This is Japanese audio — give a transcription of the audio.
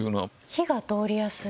火が通りやすい？